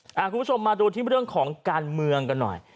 คุณผู้ชมมาดูที่เรื่องของการเมืองกันหน่อย